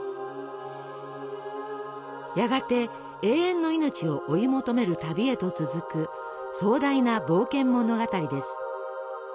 やがて永遠の命を追い求める旅へと続く壮大な冒険物語です。